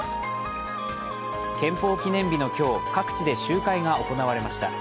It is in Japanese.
憲法記念日の今日、各地で集会が行われました。